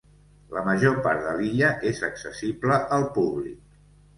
La major part de l'illa és accessible al públic.